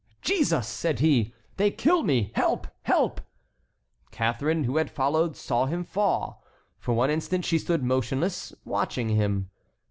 "Jesus!" said he. "They kill me! Help! help!" Catharine, who had followed, saw him fall. For one instant she stood motionless, watching him.